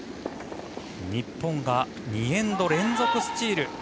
日本が２エンド連続スチール。